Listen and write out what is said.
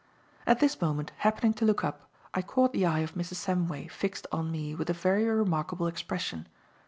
At this moment, happening to look up, I caught the eye of Mrs. Samway fixed on me with a very remarkable expression.